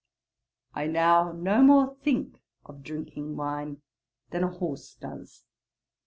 I now no more think of drinking wine, than a horse does.